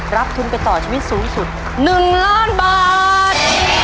รับทุนไปต่อชีวิตสูงสุด๑ล้านบาท